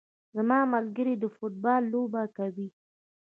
زما ملګري د فوټبال لوبه کوي